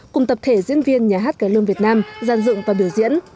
cùng tập thể diễn viên nhà hát cải lương việt nam gian dựng và biểu diễn